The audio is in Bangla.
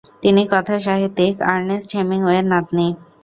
তিনি কথাসাহিত্যিক আর্নেস্ট হেমিংওয়ের নাতনী।